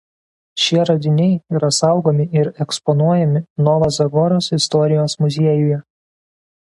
Šie radiniai yra saugomi ir eksponuojami Nova Zagoros istorijos muziejuje.